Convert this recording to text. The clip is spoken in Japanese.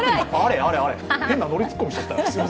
変なノリツッコミしちゃったよ。